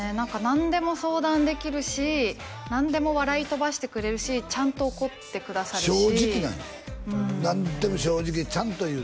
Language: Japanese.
何でも相談できるし何でも笑い飛ばしてくれるしちゃんと怒ってくださるし正直なんよ